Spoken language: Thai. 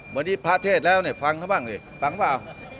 วันนี้พระเทศแล้วเนี่ยฟังเขาบ้างดิฟังเปล่า